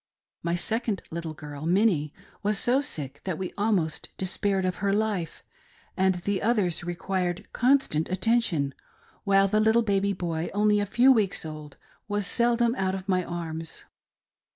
My second little girl, Minnie, was so sick that we almost despaired of her life, and the others required constant attention, while the little baby boy only a few weeks old, was seldom out of my arms.